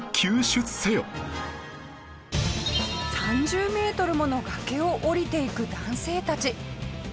３０メートルもの崖を降りていく男性たち。